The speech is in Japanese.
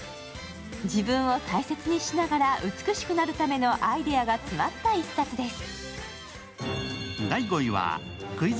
自分を大切にしながら美しくなるためのアイデアが詰まった一冊です。